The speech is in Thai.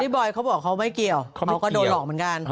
บอยเขาบอกเขาไม่เกี่ยวเขาก็โดนหลอกเหมือนกัน